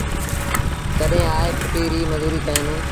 تڏهيݩ آئي ڦُٽيٚ ريٚ مزوريٚ ڪيآݩدوݩ۔